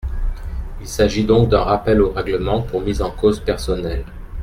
Il s’agit donc d’un rappel au règlement pour mise en cause personnelle.